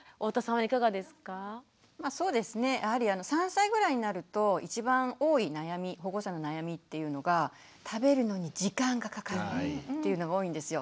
やはり３歳ぐらいになると１番多い悩み保護者の悩みっていうのが食べるのに時間がかかるっていうのが多いんですよ。